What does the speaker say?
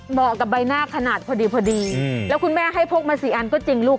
กับใบหน้าขนาดพอดีพอดีแล้วคุณแม่ให้พกมาสี่อันก็จริงลูก